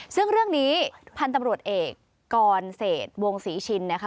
ซึ่งเรื่องนี้พันธุ์ตำรวจเอกกรเศษวงศรีชินนะคะ